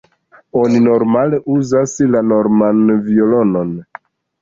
Oni normale uzas la norman violonon.